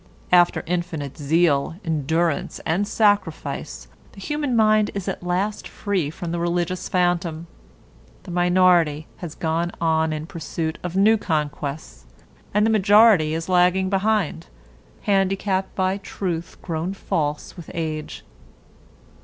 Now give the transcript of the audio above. After infinite zeal, endurance, and sacrifice, the human mind is at last free from the religious phantom; the minority has gone on in pursuit of new conquests, and the majority is lagging behind, handicapped by truth grown false with age.